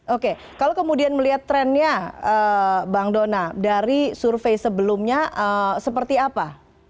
oke kalau kemudian melihat trennya bang dona dari survei sebelumnya seperti apa